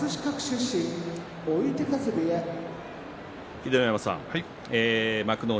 秀ノ山さん幕内